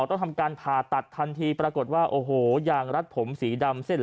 ต้องทำการผ่าตัดทันทีปรากฏว่าโอ้โหยางรัดผมสีดำเส้น